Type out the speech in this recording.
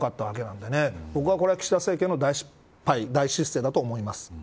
んで僕は、これは岸田政権の大失政だと思います。